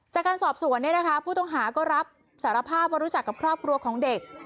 จากการสอบสวนผู้ต้องหาก็รับสารภาพว่ารู้จักกับครอบครัวของเด็ก